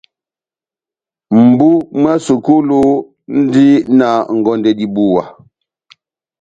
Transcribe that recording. Mʼbu mwá sukulu múndi na ngondɛ dibuwa.